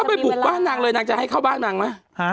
ไปบุกบ้านนางเลยนางจะให้เข้าบ้านนางไหม